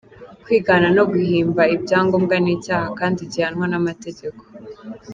Kwigana no guhimba ibyangombwa ni icyaha kandi gihanwa n’amategeko”.